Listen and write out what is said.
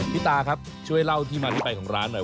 ตาครับช่วยเล่าที่มาที่ไปของร้านหน่อย